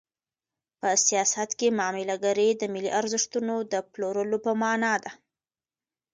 په سیاست کې معامله ګري د ملي ارزښتونو د پلورلو په مانا ده.